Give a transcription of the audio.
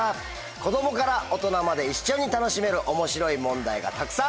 子供から大人まで一緒に楽しめる面白い問題がたくさん！